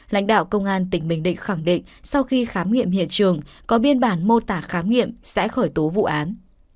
lãnh đạo công an tỉnh bình định khẳng định sau khi khám nghiệm hiện trường có biên bản mô tả khám nghiệm sẽ khởi tố vụ án